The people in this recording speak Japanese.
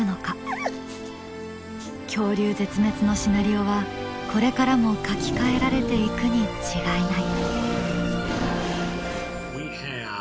恐竜絶滅のシナリオはこれからも書き換えられていくに違いない。